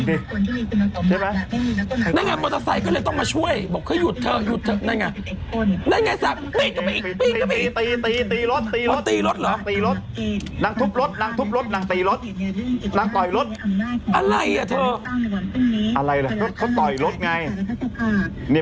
ได้ไงมอเตอร์ไซค์ก็เลยต้องมาช่วยบอกเขาหยุดเถอะหยุดเถอะได้ไง